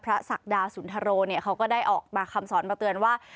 ศักดาสุนทโรเนี่ยเขาก็ได้ออกมาคำสอนมาเตือนว่า